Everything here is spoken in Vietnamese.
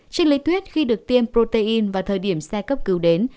trên lý thuyết khi được tiêm protein vào thời điểm xe cấp cứu đến